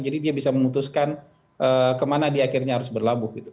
jadi dia bisa memutuskan kemana dia akhirnya harus berlabuh gitu